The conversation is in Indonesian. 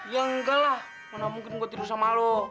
ya enggak lah mana mungkin gua tidur sama lu